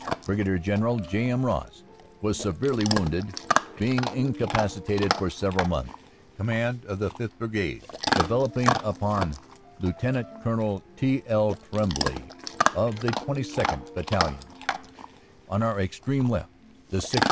Brig. General J. M. Ross was severely wounded, being incapacitated for several months, command of the 5th. Brigade devolving upon Lt. Col. T. L. Tremblay, of the 22nd. Battalion. On our extreme left the 6th.